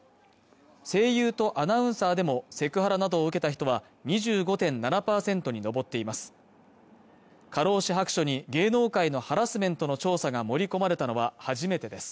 声優とアナウンサーでもセクハラなどを受けた人は２５．７％に上っています「過労死白書」に芸能界のハラスメントの調査が盛り込まれたのは初めてです